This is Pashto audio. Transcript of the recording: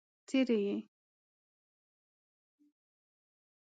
څري يې؟